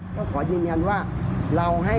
ยกเว้นเป็นเหตุสิทธิ์ใส